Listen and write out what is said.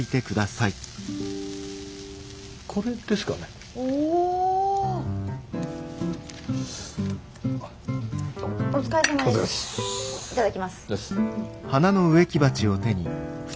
いただきます。